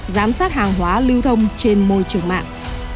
giám sát hàng hóa lưu thông trên môi trường mạng